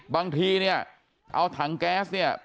บางทีเนี่ยเอาถังแก๊สเนี่ย